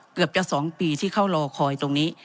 เกือบจะ๒ปีที่เขารอคอยตรงนี้